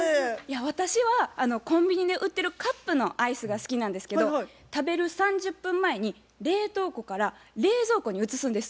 私はコンビニで売ってるカップのアイスが好きなんですけど食べる３０分前に冷凍庫から冷蔵庫に移すんです。